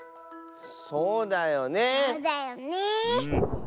そうだよね。